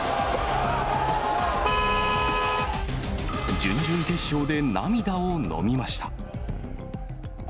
準々決勝で涙をのみました。